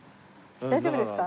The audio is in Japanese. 大丈夫ですか？